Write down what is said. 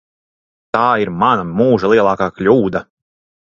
Tā ir mana mūža lielākā kļūda.